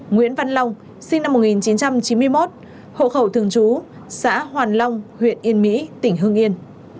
nguyễn văn long sinh năm một nghìn chín trăm chín mươi một hộ khẩu thường trú xã hoàn long huyện yên mỹ tỉnh hương yên